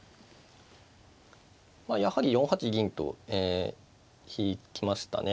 まあやはり４八銀と引きましたね。